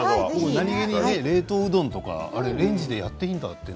冷凍うどんとかレンジでやっていいんだと。